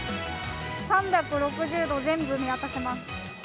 ３６０度、全部見渡せます。